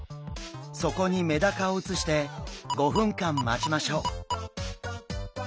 そこにメダカを移して５分間待ちましょう。